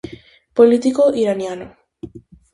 Político iraniano.